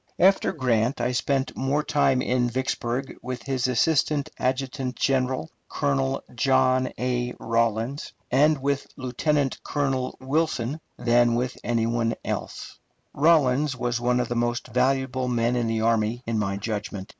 After Grant, I spent more time at Vicksburg with his assistant adjutant general, Colonel John A. Rawlins, and with Lieutenant Colonel Wilson, than with anybody else. Rawlins was one of the most valuable men in the army, in my judgment.